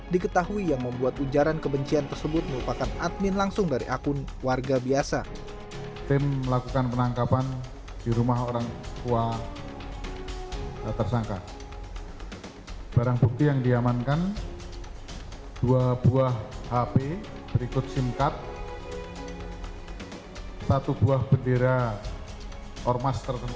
diketahui yang membuat ujaran kebencian tersebut merupakan admin langsung dari akun warga biasa